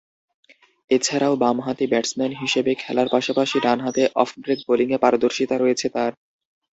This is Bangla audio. এছাড়াও বামহাতি ব্যাটসম্যান হিসেবে খেলার পাশাপাশি ডানহাতে অফ ব্রেক বোলিংয়ে পারদর্শিতা রয়েছে তার।